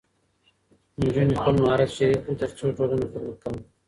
نجونې خپل مهارت شریک کړي، ترڅو ټولنه پرمختګ وکړي.